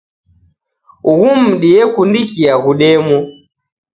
Ughu mudi yekundikia ghudemo.